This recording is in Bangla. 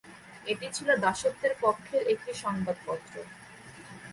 এটি ছিল দাসত্বের পক্ষের একটি সংবাদপত্র।